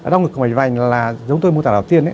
đau ngực của mảnh vành là giống tôi mô tả đầu tiên